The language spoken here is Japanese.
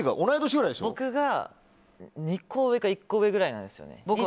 僕が２個上か１個上ぐらいなんですよね。